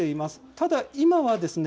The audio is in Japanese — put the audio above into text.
ただ今はですね